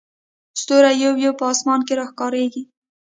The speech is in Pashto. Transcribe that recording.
ستوري یو یو په اسمان کې راښکاري.